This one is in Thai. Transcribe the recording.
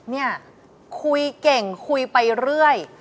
เนี่ยคุยเก่งคุยไปเรื่อย